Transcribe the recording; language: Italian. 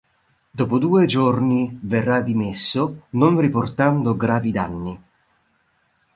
Dopo due giorni verrà dimesso, non riportando gravi danni.